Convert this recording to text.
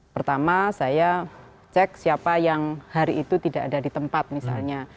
pertama saya cek siapa yang hari itu tidak ada di tempat misalnya